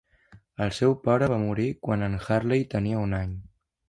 El seu pare va morir quan en Harley tenia un any.